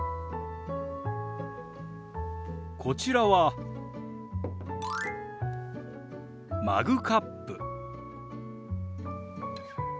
こちらはマグカップ。